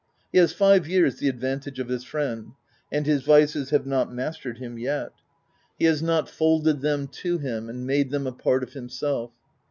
He has five years the advantage of his friend, and his vices have not mastered him yet : he has not m 3 250 THE TENANT folded them to him and made them a part of himself.